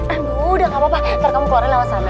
aduh udah gak apa apa ntar kamu keluarin lewat sana